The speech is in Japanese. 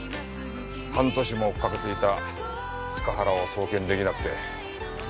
半年も追っかけていた塚原を送検出来なくて。